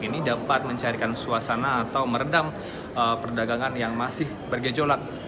ini dapat mencairkan suasana atau meredam perdagangan yang masih bergejolak